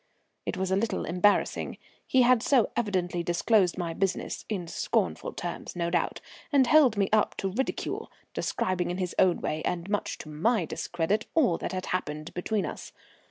It was a little embarrassing; he had so evidently disclosed my business, in scornful terms no doubt, and held me up to ridicule, describing in his own way and much to my discredit all that had happened between us.